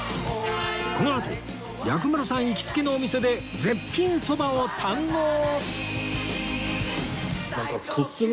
このあと薬丸さん行きつけのお店で絶品そばを堪能！